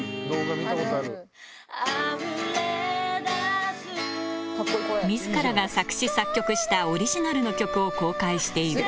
溢れ出す自らが作詞・作曲したオリジナルの曲を公開している